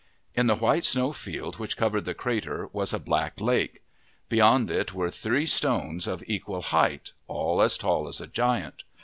In the white snow field which covered the crater was a black lake. Beyond it were three stones of equal height, all as tall as a giant.